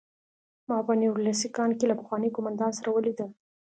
ما په نوریلیسک کان کې له پخواني قومندان سره ولیدل